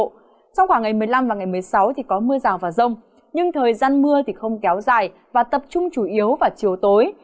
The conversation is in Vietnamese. trong khoảng ngày một mươi năm và ngày một mươi sáu thì có mưa rào và rông nhưng thời gian mưa không kéo dài và tập trung chủ yếu vào chiều tối